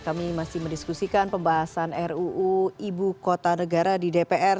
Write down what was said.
kami masih mendiskusikan pembahasan ruu ibu kota negara di dpr